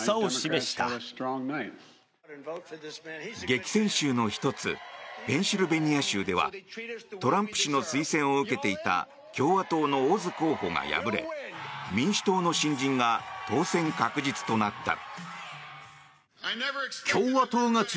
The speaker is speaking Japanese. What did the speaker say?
激戦州の１つペンシルベニア州ではトランプ氏の推薦を受けていた共和党のオズ候補が敗れ民主党の新人が当選確実となった。